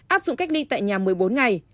áp dụng cách ly tại nhà một mươi bốn ngày